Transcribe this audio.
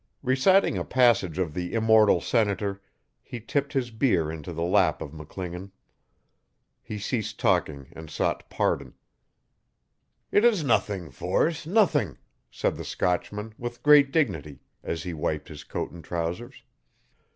Reciting a passage of the immortal Senator he tipped his beer into the lap of McClingan. He ceased talking and sought pardon. 'It is nothing, Force nothing,' said the Scotchman, with great dignity, as he wiped his coat and trousers.